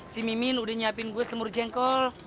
si mimin udah nyiapin gue semur jengkol